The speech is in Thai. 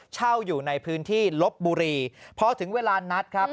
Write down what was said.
เช่าอยู่ในพื้นที่ลบบุรีพอถึงเวลานัดครับ